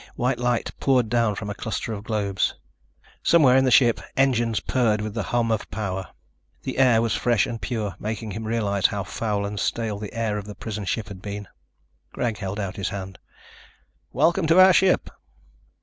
White light poured down from a cluster of globes. Somewhere in the ship engines purred with the hum of power. The air was fresh and pure, making him realize how foul and stale the air of the prison ship had been. Greg held out his hand. "Welcome to our ship."